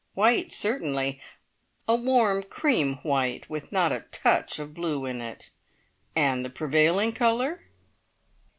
"White certainly. A warm cream white, with not a touch of blue in it. And the prevailing colour?"